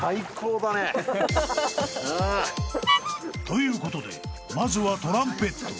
［ということでまずはトランペット］